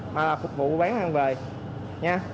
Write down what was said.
mà là phục vụ bán ăn về nha